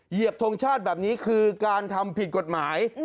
เหยีบทงชาติแบบนี้คือการทำผิดกฎหมาย